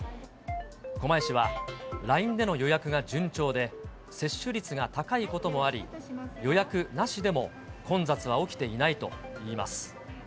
狛江市はＬＩＮＥでの予約が順調で、接種率が高いこともあり、予約なしでも混雑は起きていないといいます。